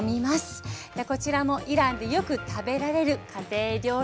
こちらもイランでよく食べられる家庭料理なんです。